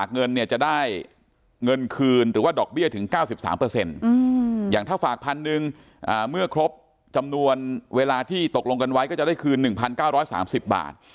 เงินคืนหรือว่าดอกเบี้ยถึง๙๓อย่างถ้าฝากพันธุ์๑เมื่อครบจำนวนเวลาที่ตกลงกันไว้ก็จะได้คืน๑๙๓๐บาท